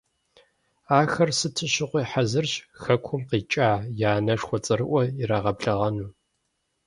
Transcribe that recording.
Ахэр сыт щыгъуи хьэзырщ хэкум къикӏа я анэшхуэ цӀэрыӀуэр ирагъэблэгъэну.